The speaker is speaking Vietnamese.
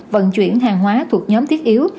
vận chuyển hàng hóa thuộc nhóm thiết yếu